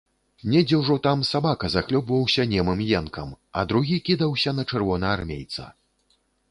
Недзе ўжо там сабака захлёбваўся немым енкам, а другі кідаўся на чырвонаармейца.